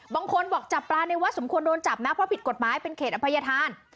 บางคนบอกจับปลาในวัดสมควรโดนจับนะเพราะผิดกฎหมายเป็นเขตอภัยธาน